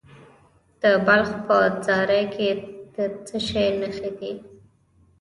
د بلخ په زاري کې د څه شي نښې دي؟